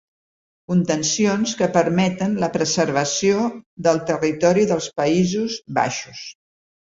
Contencions que permeten la preservació del territori dels Països Baixos.